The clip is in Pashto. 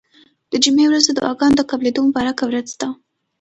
د جمعې ورځ د دعاګانو د قبلېدو مبارکه ورځ ده.